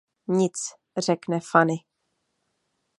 Nic, řekne Fany.